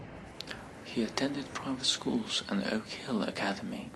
He attended private schools and Oak Hill Academy.